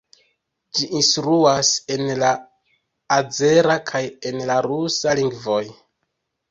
Ĝi instruas en la azera kaj en la rusa lingvoj.